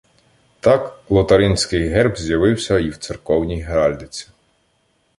Так, лотаринзький герб з'явився і в церковній геральдиці.